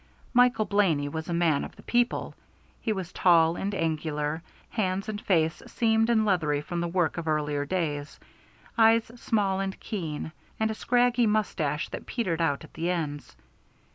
Michael Blaney was a man of the people. He was tall and angular, hands and face seamed and leathery from the work of earlier days, eyes small and keen, and a scraggy mustache, that petered out at the ends.